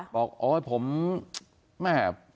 บอกโอ้ยผมแม่